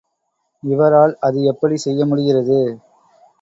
இவரால் அது எப்படிச் செய்யமுடிகிறது?